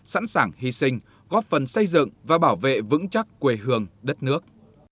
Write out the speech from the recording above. sẵn sàng hy sinh góp phần xây dựng và bảo vệ vững chắc quê hương đất nước